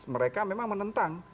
mereka memang menentang